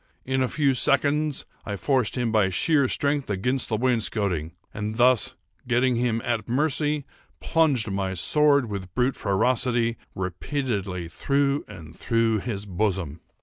In a few seconds I forced him by sheer strength against the wainscoting, and thus, getting him at mercy, plunged my sword, with brute ferocity, repeatedly through and through his bosom.